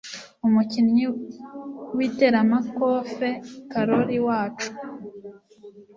Umukinnyi w'iteramakofe karori wacu